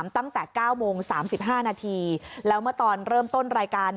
ตั้งแต่๙โมง๓๕นาทีแล้วเมื่อตอนเริ่มต้นรายการ